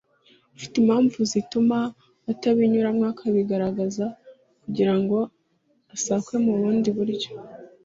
ufite impamvu zituma atabinyuramo akabigaragaza kugira ngo asakwe mu bundi buryo